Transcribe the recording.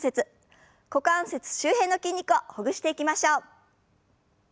股関節周辺の筋肉をほぐしていきましょう。